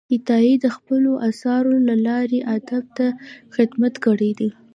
عطايي د خپلو آثارو له لارې ادب ته خدمت کړی دی.